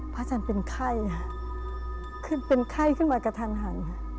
พระอาจารย์เป็นไข้เป็นไข้ขึ้นมากระทันหัน